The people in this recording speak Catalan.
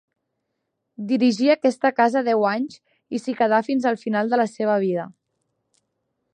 Dirigí aquesta casa deu anys i s'hi quedà fins al final de la seva vida.